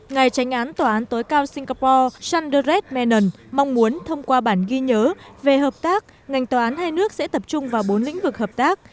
ngài tránh án tòa án tối cao singapore sanderet menan mong muốn thông qua bản ghi nhớ về hợp tác ngành tòa án hai nước sẽ tập trung vào bốn lĩnh vực hợp tác